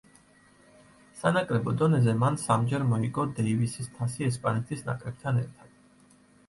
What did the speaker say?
სანაკრებო დონეზე, მან სამჯერ მოიგო დეივისის თასი ესპანეთის ნაკრებთან ერთად.